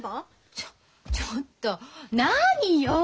ちょちょっと何よ！